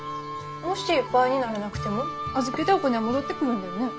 もし倍にならなくても預けたお金は戻ってくるんだよね？